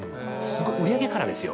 売り上げからですよ